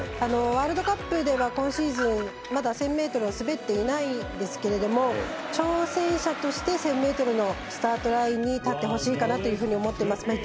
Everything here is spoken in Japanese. ワールドカップでは、今シーズンまだ１０００ｍを滑っていないですけど挑戦者として１０００ｍのスタートラインに立ってほしいかなと思っています。